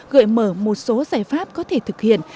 gợi mở một số giải pháp có thể thực hiện